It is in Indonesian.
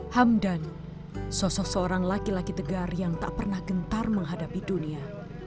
hamdan sosok seorang laki laki tegar yang tak pernah gentar menghadapi dunia